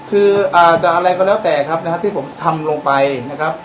คืออาจจะอะไรก็แล้วแต่ครับนะครับที่ผมทำลงไปนะครับ